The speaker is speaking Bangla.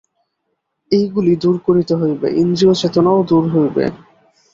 এইগুলি দূর করিতে হইবে, ইন্দ্রিয়চেতনাও দূর হইবে।